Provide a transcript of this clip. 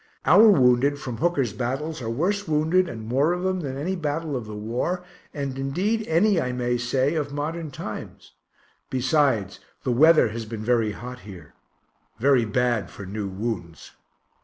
Our wounded from Hooker's battles are worse wounded and more of them than any battle of the war, and indeed any, I may say, of modern times besides, the weather has been very hot here, very bad for new wounds.